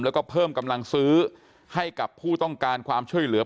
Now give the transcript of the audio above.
แล้วก็เพิ่มกำลังซื้อให้กับผู้ต้องการความช่วยเหลือ